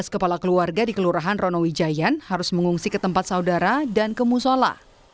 lima belas kepala keluarga di kelurahan ronowijayan harus mengungsi ke tempat saudara dan ke musola